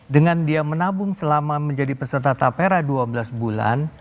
dengan dia menabung selama menjadi peserta tapera dua belas bulan